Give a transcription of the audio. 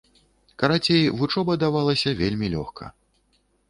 Карацей, вучоба давалася вельмі лёгка.